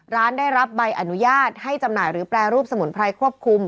ร้านได้รับใบอนุญาตให้จำหน่ายหรือแปรรูปสมุนไพรควบคุม